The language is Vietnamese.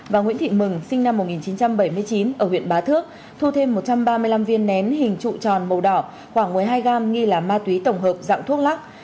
và nguyễn thị mừng sinh năm một nghìn chín trăm bảy mươi chín ở huyện bá thước thu thêm một trăm ba mươi năm viên nén hình trụ tròn màu đỏ khoảng một mươi hai gam nghi là ma túy tổng hợp dạng thuốc lắc